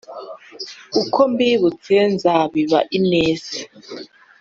uko mbibutse nzabiba ineza